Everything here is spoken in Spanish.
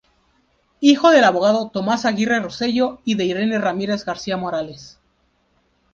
Hijo del abogado Tomás Aguirre Rosselló y de Irene Ramírez García Morales.